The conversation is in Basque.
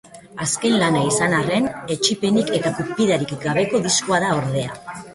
Azken lana izan arren, etsipenik eta kupidarik gabeko diskoa da ordea.